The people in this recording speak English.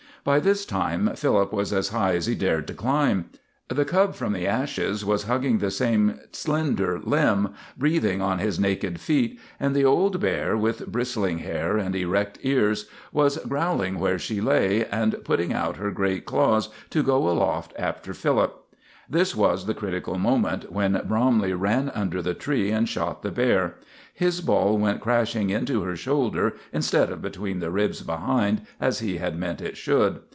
By this time Philip was as high as he dared to climb. The cub from the ashes was hugging the same slender limb, breathing on his naked feet, and the old bear, with bristling hair and erect ears, was growling where she lay, and putting out her great claws to go aloft after Philip. This was the critical moment, when Bromley ran under the tree and shot the bear. His ball went crashing into her shoulder instead of between the ribs behind, as he had meant it should.